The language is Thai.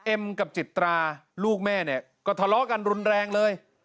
เอ็มกับจิตราลูกแม่เนี่ยก็ทะเลาะกันรุนแรงเลย